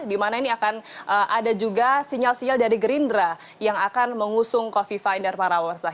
di mana ini akan ada juga sinyal sinyal dari gerindra yang akan mengusung coffee finder parawar sen